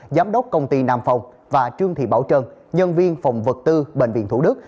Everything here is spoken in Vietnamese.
giám đốc công ty nam phòng và trương thị bảo trân nhân viên phòng vật tư bệnh viện thủ đức